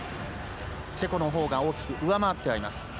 チェコのほうが大きく上回ってはいます。